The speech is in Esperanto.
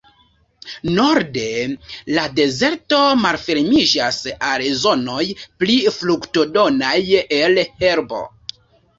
Norde, la dezerto malfermiĝas al zonoj pli fruktodonaj el herbo.